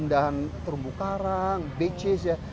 indahan terumbu karang big cruise ya